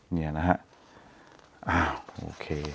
เนี่ยนะฮะโอเค